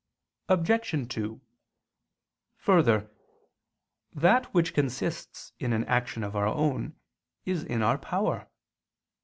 Obj. 2: Further, that which consists in an action of our own is in our power.